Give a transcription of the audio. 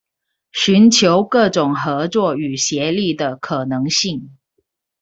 尋求各種合作與協力的可能性